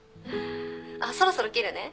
あっそろそろ切るね。